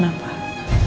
kamu yang kenapa